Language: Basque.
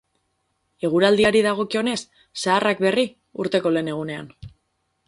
Eguraldiari dagokionez, zaharrak berri urteko lehen egunean.